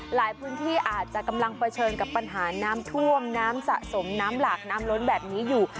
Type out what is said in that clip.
หลายพื้นที่อาจจะกำลังเผชิญกับปัญหาน้ำท่วมน้ำสะสมน้ำหลากน้ำล้นแบบนี้อยู่